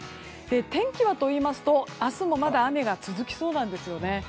天気はといいますと明日もまだ雨が続きそうなんですよね。